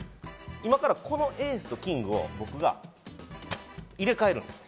今からこのエースとキングを僕が入れ替えるんです。